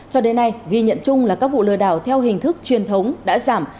cho đến nay ghi nhận chung là các vụ lừa đảo theo hình thức truyền thống đã giảm